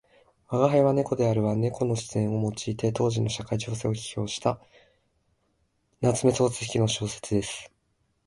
「吾輩は猫である」は猫の視線を用いて当時の社会情勢を批評した夏目漱石の小説です。